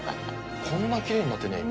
こんなきれいになってんねや今。